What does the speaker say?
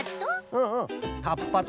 うんうんはっぱと。